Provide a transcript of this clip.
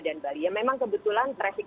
dan bali ya memang kebetulan trafik